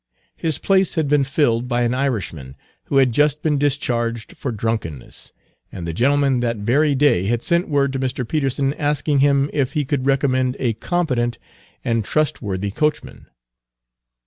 His place had been filled by an Irishman, who had just been discharged for drunkenness, and the gentleman that very day had sent word to Mr. Peterson, asking him if he could recommend a competent and trustworthy coachman.